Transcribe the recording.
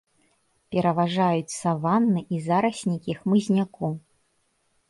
Пераважаюць саванны і зараснікі хмызняку.